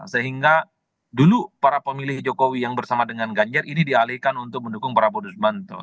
sehingga dulu para pemilih jokowi yang bersama dengan ganjar ini dialihkan untuk mendukung prabowo